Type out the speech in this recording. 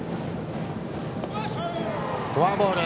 フォアボール。